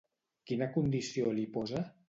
Quina condició li posa?